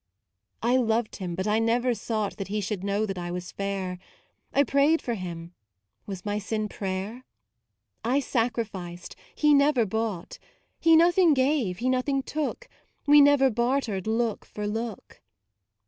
I loved him, but I never sought That he should know that I was fair. I prayed for him; was my sin prayer? I sacrificed, he never bought. He nothing gave, he nothing took; We never bartered look for look.